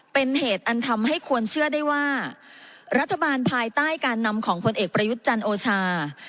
เป็นเหตุอันทำให้ควรเชื่อได้ว่ารัฐบาลภายใต้การนำของพลเอกประยุทธ์จันทร์โอชา